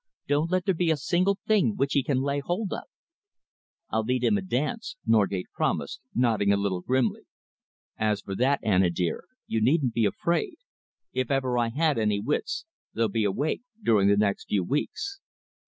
Don't let there be a single thing which he can lay hold of." "I'll lead him a dance," Norgate promised, nodding a little grimly. "As for that, Anna dear, you needn't be afraid. If ever I had any wits, they'll be awake during the next few weeks."